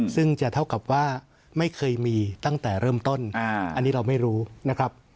ซึ่งจะเท่ากับว่าไม่เคยมีตั้งแต่เริ่มต้นอันนี้เราไม่รู้นะครับ